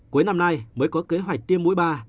cuối năm nay mới có kế hoạch tiêm mũi ba